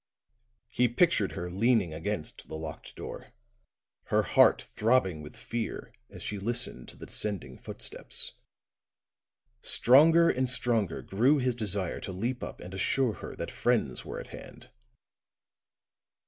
He pictured her leaning against the locked door, her heart throbbing with fear as she listened to the descending footsteps; stronger and stronger grew his desire to leap up and assure her that friends were at hand.